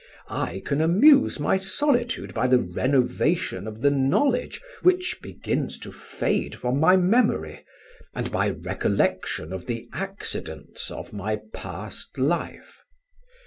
I can amuse my solitude by the renovation of the knowledge which begins to fade from my memory, and by recollection of the accidents of my past life.